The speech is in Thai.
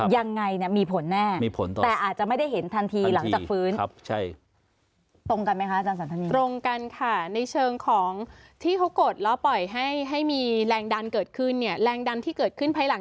ยังไงเนี่ยมีผลแน่แต่อาจจะไม่ได้เห็นทันทีหลังจากฟื้น